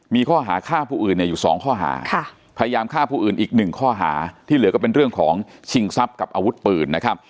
มีข้อหาฆ่าผู้อื่นเนี่ยอยู่๒ข้อหาพยายามฆ่าผู้อื่นอีกหนึ่งข้อหาที่เหลือก็เป็นเรื่องของชิงทรัพย์กับอาวุธปืนนะครับ